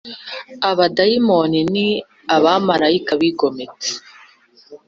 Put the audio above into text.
Abadayimoni ni abamarayika bigometse